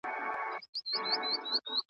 پر دې ښار باندي ماتم دی ساندي اوري له اسمانه .